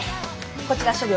こちら処理